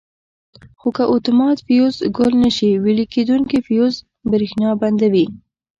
خو که اتومات فیوز ګل نه شي ویلې کېدونکي فیوز برېښنا بندوي.